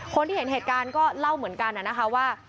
คนที่เห็นเหตุการณ์ก็เล่าเหมือนกันนะคะว่า